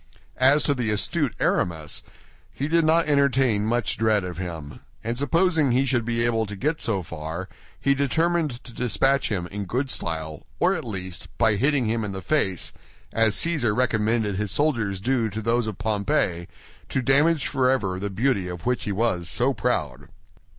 As to the astute Aramis, he did not entertain much dread of him; and supposing he should be able to get so far, he determined to dispatch him in good style or at least, by hitting him in the face, as Cæsar recommended his soldiers do to those of Pompey, to damage forever the beauty of which he was so proud.